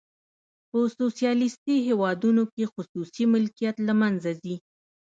په سوسیالیستي هیوادونو کې خصوصي ملکیت له منځه ځي.